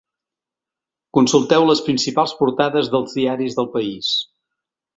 Consulteu les principals portades dels diaris del país.